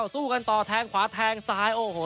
สู้กันต่อแทงขวาแทงซ้ายโอ้โห